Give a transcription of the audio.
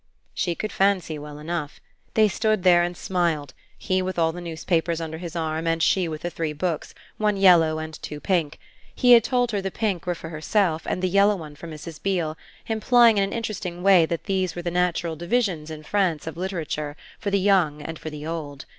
She could fancy well enough. They stood there and smiled, he with all the newspapers under his arm and she with the three books, one yellow and two pink. He had told her the pink were for herself and the yellow one for Mrs. Beale, implying in an interesting way that these were the natural divisions in France of literature for the young and for the old.